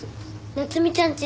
夏海ちゃんち？